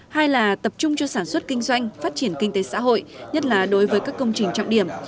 hai là tập trung cho sản xuất kinh doanh phát triển kinh tế xã hội nhất là đối với các công trình trọng điểm